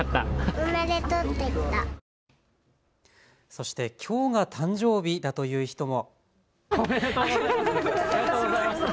そしてきょうが誕生日だという人も。